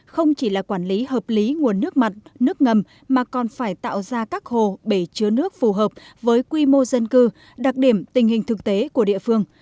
không chỉ là quản lý hợp lý nguồn nước mặt nước ngầm mà còn phải tạo ra các hồ bể chứa nước phù hợp với quy mô dân cư đặc điểm tình hình thực tế của địa phương